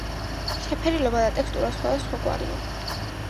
შეფერილობა და ტექსტურა სხვადასხვაგვარია.